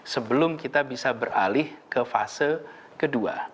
sebelum kita bisa beralih ke fase ke dua